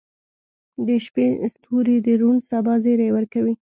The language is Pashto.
• د شپې ستوري د روڼ سبا زیری ورکوي.